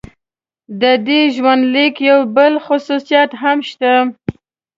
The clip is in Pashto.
د دې ژوندلیک یو بل خصوصیت هم شته.